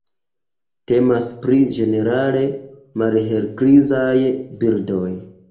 Temas pri ĝenerale malhelgrizaj birdoj.